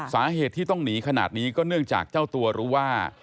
สาเหตุที่ต้องหนีขนาดนี้ก็เนื่องจากเจ้าตัวรู้ว่า